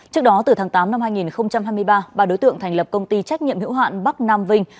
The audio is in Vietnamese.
trước đó từ tháng tám năm hai nghìn hai mươi ba ba đối tượng thành lập công ty trách nhiệm hữu hạn bắc nam vinh